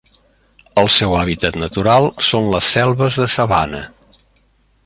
El seu hàbitat natural són les selves de sabana.